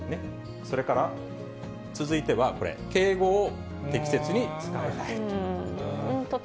それから、続いてはこれ、敬語を適切に使えないと。